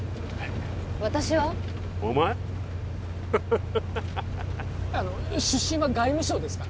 フハハハハあの出身は外務省ですか？